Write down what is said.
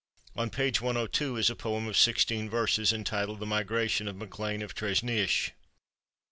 On page 102 is a poem of sixteen verses, entitled "The Migration of MacLean of Treshnish."